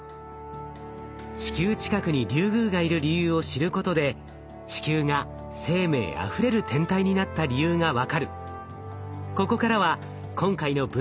地球近くにリュウグウがいる理由を知ることで地球が生命あふれる天体になった理由が分かる。